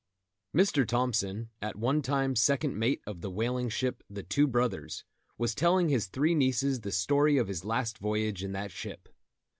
_) [Mr. Thompson, at one time second mate of the whaling ship The Two Brothers, was telling his three nieces the story of his last voyage in that ship.